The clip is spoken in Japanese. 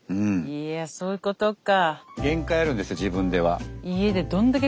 いやそういうことか。